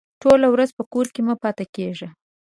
ټوله ورځ په کور کې مه پاته کېږه!